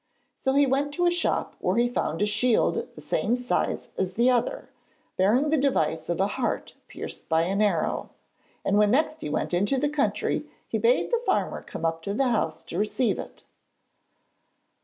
So he went to a shop where he found a shield the same size as the other, bearing the device of a heart pierced by an arrow, and when next he went into the country he bade the farmer come up to the house to receive it.